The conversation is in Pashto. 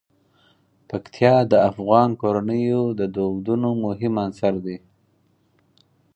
پکتیا د افغان کورنیو د دودونو مهم عنصر دی.